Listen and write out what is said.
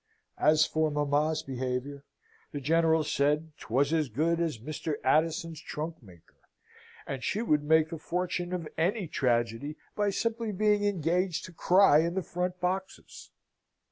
As for mamma's behaviour, the General said, 'twas as good as Mr. Addison's trunk maker, and she would make the fortune of any tragedy by simply being engaged to cry in the front boxes.